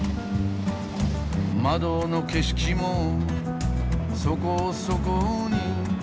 「窓の景色もそこそこに」